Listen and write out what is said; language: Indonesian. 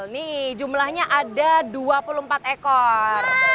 nih jumlahnya ada dua puluh empat ekor